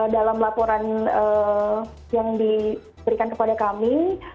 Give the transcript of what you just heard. dalam laporan yang diberikan kepada kami